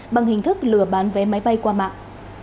bằng hình thức lừa bán vé máy bay qua mạng